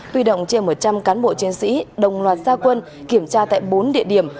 huy động trên một trăm linh cán bộ chiến sĩ đồng loạt gia quân kiểm tra tại bốn địa điểm